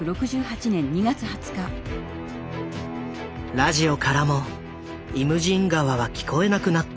ラジオからも「イムジン河」は聞こえなくなった。